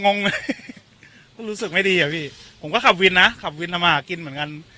งงเลยก็รู้สึกไม่ดีอะพี่ผมก็ขับวินนะขับวินทำมาหากินเหมือนกัน